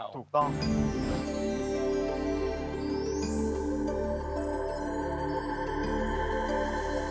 วัดสุทัศน์นี้จริงแล้วอยู่มากี่ปีตั้งแต่สมัยราชการไหนหรือยังไงครับ